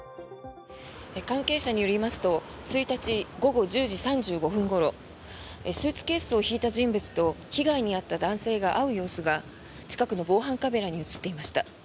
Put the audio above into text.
関係者によりますと１日午後１０時３５分ごろスーツケースを引いた人物と被害に遭った男性が会う様子が、近くの防犯カメラに映っていました。